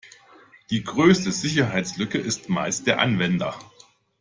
Die größte Sicherheitslücke ist meist der Anwender.